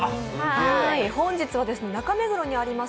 本日は中目黒にあります